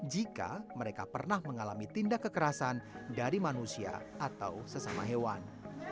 jika mereka pernah mengalami tindak kekerasan dari manusia atau sesama hewan